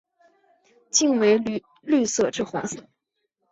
茎为绿色至红色。